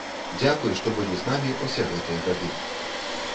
Дзякуй, што былі з намі ўсе гэтыя гады!